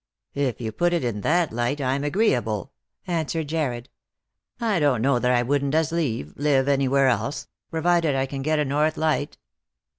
" If you put it in that light, I'm agreeable," answered Jarred. " I don't know that I wouldn't as leave live any where else, provided I can get a north light."